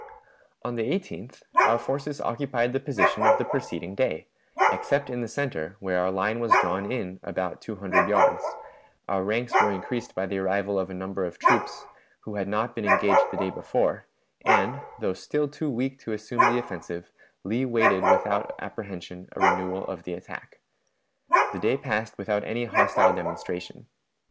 On the 18th our forces occupied the position of the preceding day, except in the center, where our line was drawn in about two hundred yards, our ranks were increased by the arrival of a number of troops, who had not been engaged the day before, and, though still too weak to assume the offensive, Lee waited without apprehension a renewal of the attack. The day passed without any hostile demonstration.